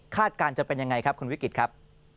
การจะเป็นยังไงครับคุณวิกฤตครับ